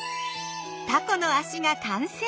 タコの足が完成！